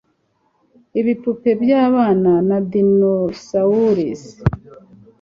ibipupe byabana na dinosaurs